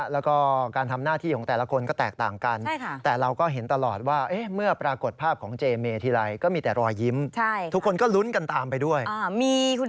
แล้วก็การทำหน้าที่ของแต่ละคนก็แตกต่างกัน